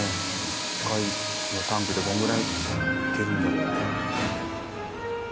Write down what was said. １回のタンクでどのぐらいいけるんだろう？